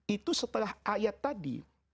itu setelah ayat tadi